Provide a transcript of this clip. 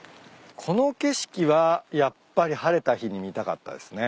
この景色はやっぱり晴れた日に見たかったですね。